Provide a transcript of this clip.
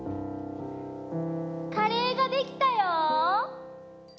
・カレーができたよ！